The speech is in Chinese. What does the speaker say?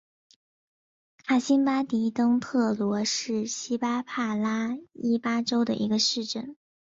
卡辛巴迪登特罗是巴西帕拉伊巴州的一个市镇。